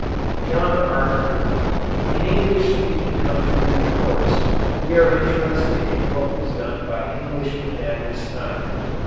JOHN ARDERN In English speaking countries of course we are interested in what was done by Englishmen at this time.